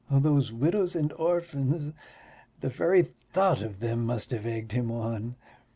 Those widows and orphans the very thought of them must have egged him on!